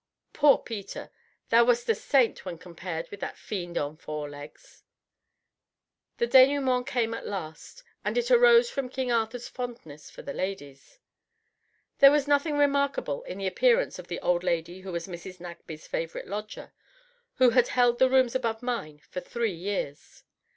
Poor Peter! thou wast a saint when compared with that fiend on four legs. The denouement came at last, and it arose from King Arthur's fondness for the ladies. There was nothing remarkable in the appearance of the old lady who was Mrs. Nagsby's favorite lodger, who had held the rooms above mine for three years.